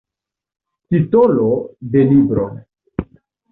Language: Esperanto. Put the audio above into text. Titolo de libro.